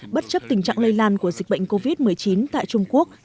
bất chấp tình trạng lây lan của dịch bệnh covid một mươi chín tại trung quốc